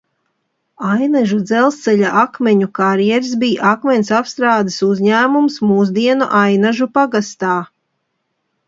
Ainažu dzelzceļa akmeņu karjers bija akmens apstrādes uzņēmums mūsdienu Ainažu pagastā.